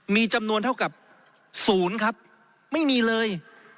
มีจำนวนเท่ากับศูนย์ครับไม่มีเลย